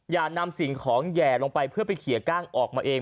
อย่านำสิ่งของแห่ลงไปเพื่อไปเขียก้างออกมาเอง